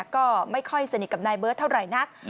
ก็ไม่ค่อยสนิทกับนายเบิร์ตเท่าไหร่นัก